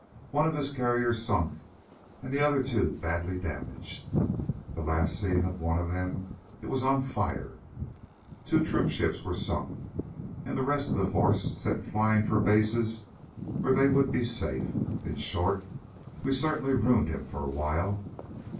One of his carriers sunk, and the other two badly damaged. The last seen of one of them it was on fire. Two troop ships were sunk, and the rest of the force sent flying for bases where they would be safe. In short, we certainly ruined him for a while.